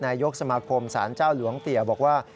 นายกสมาคมสารเจ้าหลวงเตี๋ยบอกว่า